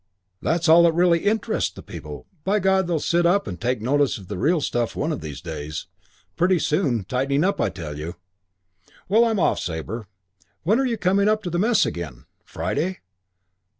"That's all that really interests the people. By God, they'll sit up and take notice of the real stuff one of these days. Pretty soon. Tightening up, I tell you. Well, I'm off, Sabre. When are you coming up to the Mess again? Friday?